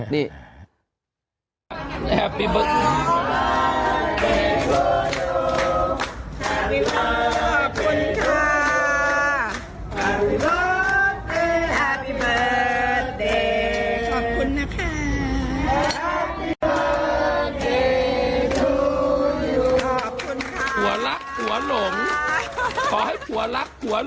โดยงานเยอะโดยงานเยอะ